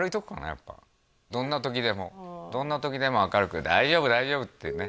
やっぱどんな時でもどんな時でも明るく「大丈夫大丈夫」っていうね